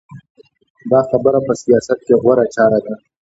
دا خبره په سیاست کې غوره چاره ده.